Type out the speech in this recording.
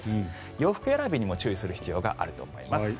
洋服選びにも注意する必要があると思います。